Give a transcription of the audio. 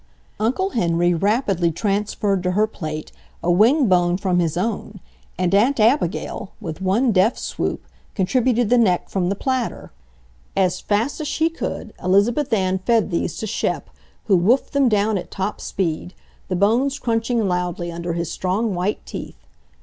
Uncle Henry rapidly transferred to her plate a wing bone from his own, and Aunt Abigail, with one deft swoop, contributed the neck from the platter. As fast as she could, Elizabeth Ann fed these to Shep, who woofed them down at top speed, the bones crunching loudly under his strong, white teeth.